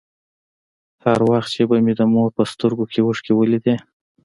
هر وخت چې به مې د مور په سترگو کښې اوښکې ولېدې.